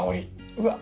うわ！